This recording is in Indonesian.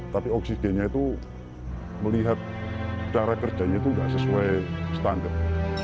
tapi oksigennya itu melihat cara kerjanya itu tidak sesuai standar